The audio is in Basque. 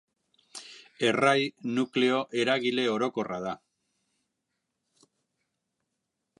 Errai nukleo eragile orokorra da.